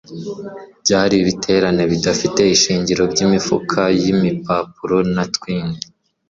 byari ibiterane bidafite ishingiro byimifuka yimpapuro na twine